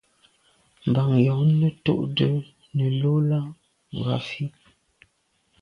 Mbàŋ jɔ̌ŋnə́ túʼdə́ nə̀ lú láʼ ngrāfí.